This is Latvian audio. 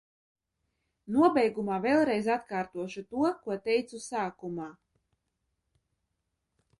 Nobeigumā vēlreiz atkārtošu to, ko teicu sākumā.